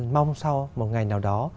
mong sau một ngày nào đó